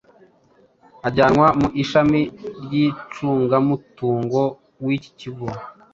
ajyanwa mu ishami ry’icungamutungo w’iki kigo